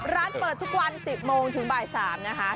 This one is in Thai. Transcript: ร้านเปิดทุกวัน๑๐โมงถึงบ่าย๓นะคะ